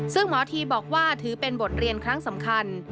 ซึ่งหมอทีบอกว่าถือเป็นบทเรียนครั้งสำคัญ